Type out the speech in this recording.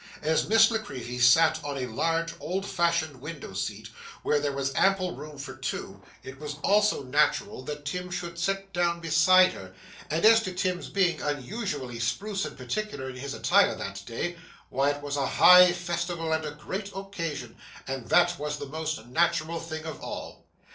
As Miss La Creevy sat on a large old fashioned window seat, where there was ample room for two, it was also natural that Tim should sit down beside her; and as to Tim's being unusually spruce and particular in his attire that day, why it was a high festival and a great occasion, and that was the most natural thing of all.